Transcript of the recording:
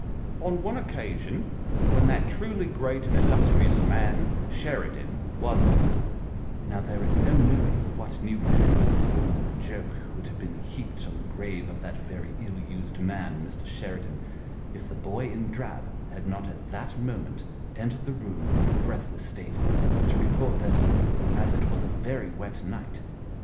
On one occasion, when that truly great and illustrious man, Sheridan, was Now, there is no knowing what new villainy in the form of a joke would have been heaped on the grave of that very ill used man, Mr. Sheridan, if the boy in drab had not at that moment entered the room in a breathless state, to report that, as it was a very wet night, the B 242 Sketches by Bos.